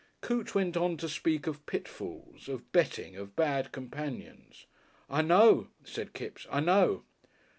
Coote went on to speak of pitfalls, of Betting, of Bad Companions. "I know," said Kipps, "I know."